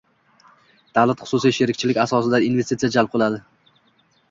Davlat-xususiy sheriklik asosida investitsiya jalb etiladi.